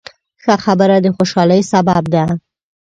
ښه خبره د خوشحالۍ سبب ده.